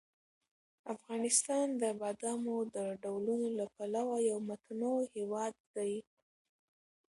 افغانستان د بادامو د ډولونو له پلوه یو متنوع هېواد دی.